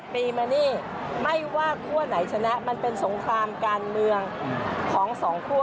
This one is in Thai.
ปีมานี่ไม่ว่าคั่วไหนชนะมันเป็นสงครามการเมืองของสองคั่ว